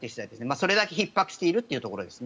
それだけひっ迫しているというところですね。